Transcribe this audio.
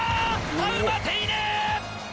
タウマテイネ！